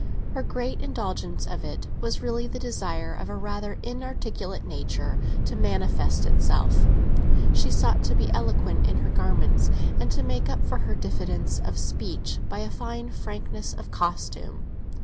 Her great indulgence of it was really the desire of a rather inarticulate nature to manifest itself; she sought to be eloquent in her garments, and to make up for her diffidence of speech by a fine frankness of costume.